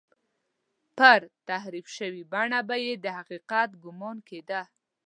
پر تحریف شوې بڼه به یې د حقیقت ګومان کېده.